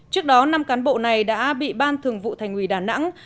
trước đó năm cán bộ này đã bị ban thường vụ thành ủy đà nẵng